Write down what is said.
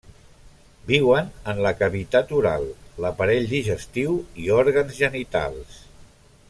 Viuen en la cavitat oral, l'aparell digestiu i òrgans genitals.